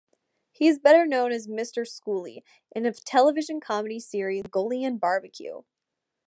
He is better known as Mr. Shooli in a television comedy series Mongolian Barbecue.